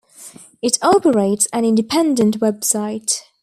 It operates an independent website.